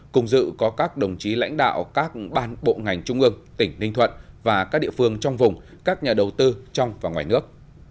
cùng dự có các đồng chí lãnh đạo các bàn bộ ngành trung ương tỉnh ninh thuận và các địa phương trong vùng các nhà đầu tư trong và ngoài nước